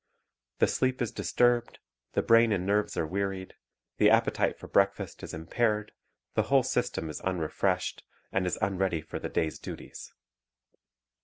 The sleep is disturbed, the brain and nerves are wearied, the appetite for breakfast is impaired, the whole system is unrefreshed, and is unready for the day's duties.